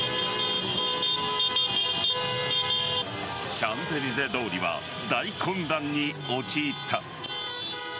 シャンゼリゼ通りは大混乱に陥った。